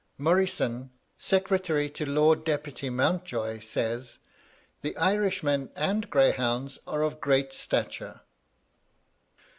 "Moryson, secretary to Lord deputy Mountjoy, says, 'The Irishmen and greyhounds are of great stature.'